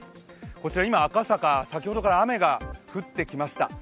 こちら今、赤坂、先ほどから雨が降ってきました